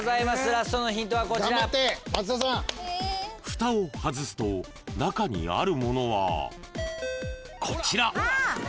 ［ふたを外すと中にあるものはこちら］